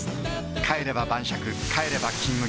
帰れば晩酌帰れば「金麦」